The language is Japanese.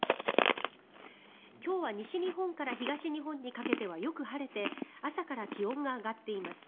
今日は西日本から東日本にかけてはよく晴れて朝から気温が上がっています。